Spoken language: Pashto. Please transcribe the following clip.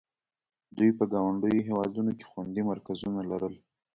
دوی په ګاونډیو هېوادونو کې خوندي مرکزونه لرل.